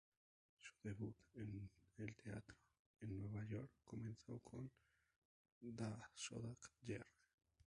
Su debut en el teatro en Nueva York comenzó con "The Soda Jerk".